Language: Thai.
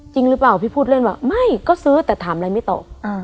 จริงหรือเปล่าพี่พูดเล่นว่าไม่ก็ซื้อแต่ถามอะไรไม่ตอบ